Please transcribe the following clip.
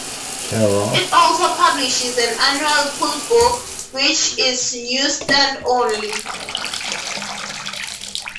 It also publishes an annual "Poolbook", which is newsstand-only.